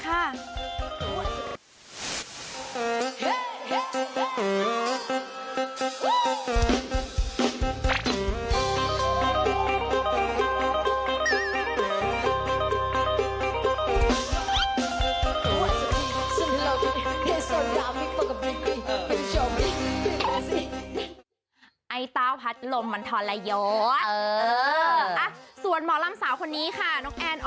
ไอ้เต้าพัดลมมันทรย้อนส่วนหมอลำสาวคนนี้ค่ะน้องแอน